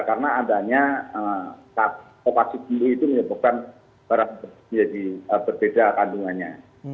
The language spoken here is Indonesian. karena adanya opasi dulu itu menyebutkan berbeda kandungannya